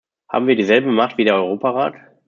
Haben wir dieselbe Macht wie der Europarat?